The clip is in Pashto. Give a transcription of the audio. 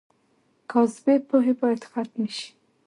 کاذبې پوهې باید ختمې شي.